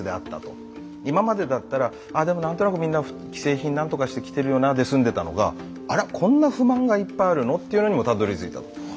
今までだったらでも何となくみんな既製品何とかして着てるよなで済んでたのがあらこんな不満がいっぱいあるの？っていうのにもたどりついた。